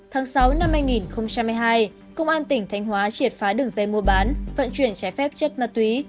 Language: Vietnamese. tháng sáu năm hai nghìn hai mươi hai công an tỉnh thanh hóa triệt phá đường dây mua bán vận chuyển trái phép chất ma túy